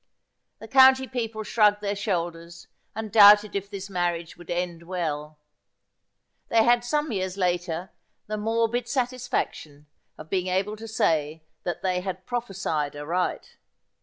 The county people shrugged their shoulders, and doubted if this marriage would end well. They had some years later the morbid satisfaction of being able to say that they had prophesied aright.